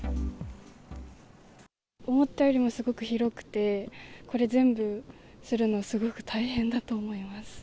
思ったよりもすごく広くて、これ全部するの、すごく大変だと思います。